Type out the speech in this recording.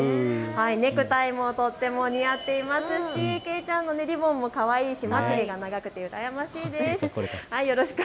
ネクタイもとても似合ってますしけいちゃんのリボンもかわいいし、まつげが長くてうらやましいです。